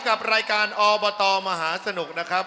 กับรายการอบตมหาสนุกนะครับ